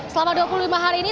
selama dua puluh lima hari ini